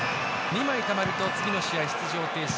２枚たまると次の試合、出場停止。